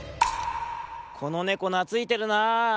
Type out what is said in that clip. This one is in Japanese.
このネコなついてるなあ。